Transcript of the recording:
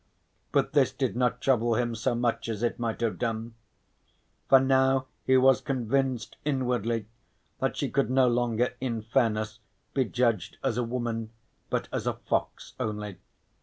But this did not trouble him so much as it might have done. For now he was convinced inwardly that she could no longer in fairness be judged as a woman, but as a fox only.